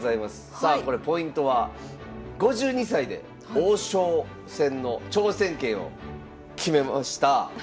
さあこれポイントは５２歳で王将戦の挑戦権を決めました。